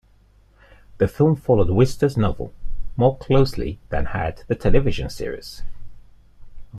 The film followed Wister's novel more closely than had the television series.